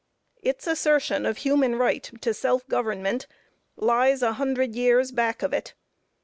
Its assertion of human right to self government lies a hundred years back of it.